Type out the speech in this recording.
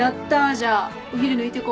じゃあお昼抜いてこう。